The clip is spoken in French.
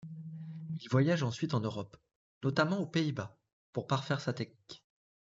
Il voyage ensuite en Europe, notamment aux Pays-Bas, pour parfaire sa technique.